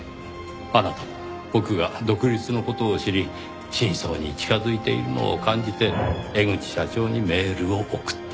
あなたは僕が独立の事を知り真相に近づいているのを感じて江口社長にメールを送った。